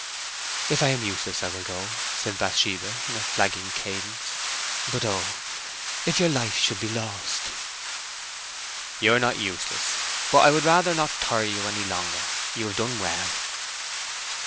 "If I am useless I will go," said Bathsheba, in a flagging cadence. "But O, if your life should be lost!" "You are not useless; but I would rather not tire you longer. You have done well."